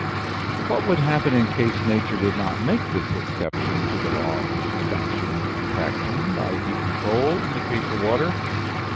What would happen in case nature did not make this exception to the laws of expansion and contraction by heat and cold, in the case of water?